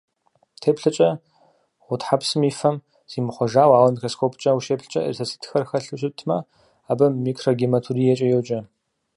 Теплъэкӏэ гъутхьэпсым и фэм зимыхъуэжауэ, ауэ микроскопкӏэ ущеплъкӏэ эритроцитхэр хэлъу щытмэ, абы микрогематуриекӏэ йоджэ.